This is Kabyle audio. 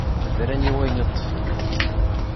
Bran i wayen i ṭṭfen.